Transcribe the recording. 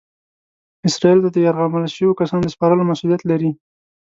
اسرائیلو ته د یرغمل شویو کسانو د سپارلو مسؤلیت لري.